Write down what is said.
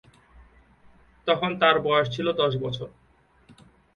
তখন তাঁর বয়স ছিল দশ বছর।